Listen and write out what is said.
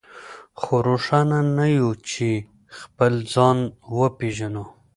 خو روښانه نه يو چې خپل ځان وپېژنو.